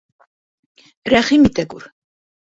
— Рәхим итә күр.